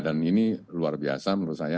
dan ini luar biasa menurut saya